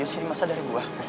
tapi serius ini masa dari gua